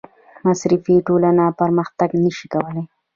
مصرفي ټولنه پرمختګ نشي کولی.